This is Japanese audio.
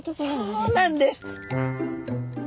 そうなんです。